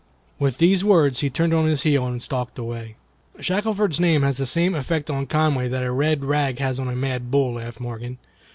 With these words he turned on his heel and stalked away. "Shackelford's name has the same effect on Conway that a red rag has on a mad bull," laughed Morgan.